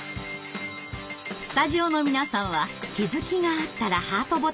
スタジオの皆さんは“気づき”があったらハートボタンをプッシュ。